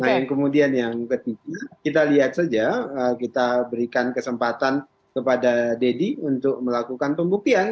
nah yang kemudian yang ketiga kita lihat saja kita berikan kesempatan kepada deddy untuk melakukan pembuktian